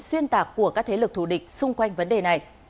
xuyên tạc của các thế lực thù địch xung quanh vấn đề này